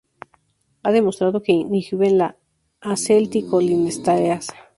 Ha demostrado que inhiben la acetilcolinesterasa.